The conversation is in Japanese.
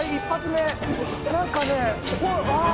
１発目。